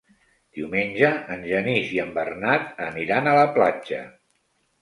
Diumenge en Genís i en Bernat aniran a la platja.